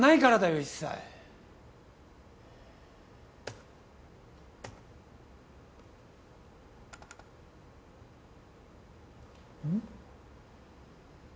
一切うん？